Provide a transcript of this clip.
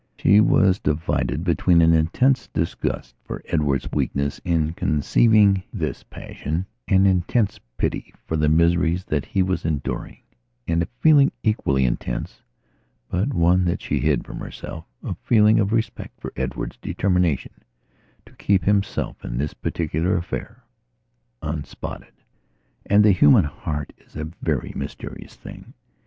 She was divided between an intense disgust for Edward's weakness in conceiving this passion, an intense pity for the miseries that he was enduring, and a feeling equally intense, but one that she hid from herselfa feeling of respect for Edward's determination to keep himself, in this particular affair, unspotted. And the human heart is a very mysterious thing.